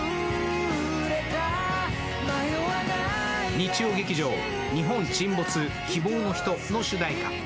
日曜劇場「日本沈没−希望のひと−」の主題歌。